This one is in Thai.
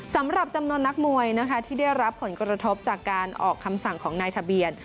สำหรับจำนวนนักมวยนะคะที่ได้รับผลกระทบจากการออกคำสั่งของนายทะเบียน